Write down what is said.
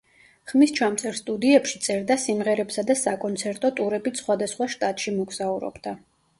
ხმის ჩამწერ სტუდიებში წერდა სიმღერებსა და საკონცერტო ტურებით სხვადასხვა შტატში მოგზაურობდა.